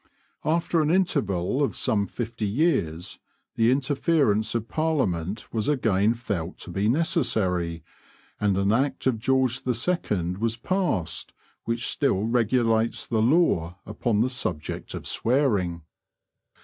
After an interval of some fifty years the interference of Parliament was again felt to be necessary, and an Act of George II. was passed which still regulates the law upon the subject of swearing.